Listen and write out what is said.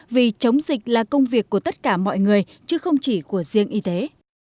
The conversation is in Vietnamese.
vì chống dịch là công việc của tất cả mọi người chứ không chỉ của riêng y tế